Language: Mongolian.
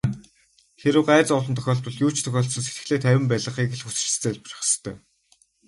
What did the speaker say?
Хэрэв гай зовлон тохиолдвол юу ч тохиолдсон сэтгэлээ тайван байлгахыг л хүсэж залбирах ёстой.